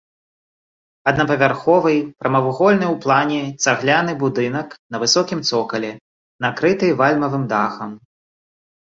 Аднапавярховы прамавугольны ў плане цагляны будынак на высокім цокалі, накрыты вальмавым дахам.